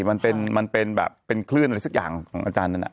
มันเป็นแบบเป็นคลื่นอะไรสักอย่างของอาจารย์นั้น